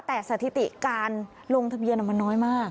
แต่สถิติการลงทะเบียนมันน้อยมาก